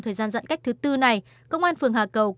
thì bây giờ là em phải về nhà em